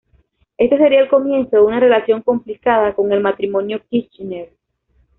Este sería el comienzo de una relación complicada con el matrimonio Kirchner.